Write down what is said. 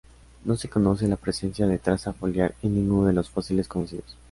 No se conoce la presencia de traza foliar en ninguno de los fósiles conocidos.